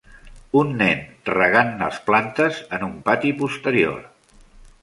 un nen regant les plantes en un pati posterior